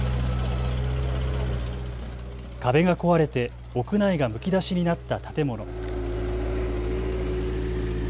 壁が壊れて屋内がむき出しになった建物。